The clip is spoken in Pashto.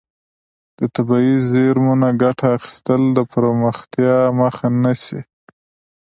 د طبیعي زیرمو نه ګټه اخیستل د پرمختیا مخه نیسي.